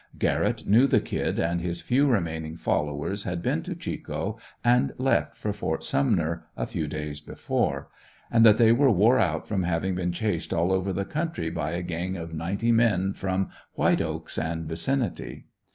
Garrett knew the Kid and his few remaining followers had been to Chico and left for Fort Sumner a few days before; and that they were wore out from having been chased all over the country by a gang of ninety men from White Oaks and vicinity.